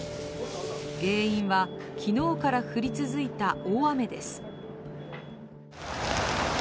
原因は、昨日から降り続いた大雨です。